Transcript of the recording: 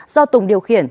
do tùng điều khiển